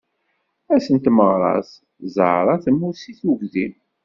Ass n tmaɣra-s Zahra temmut seg tugdi.